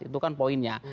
itu kan poinnya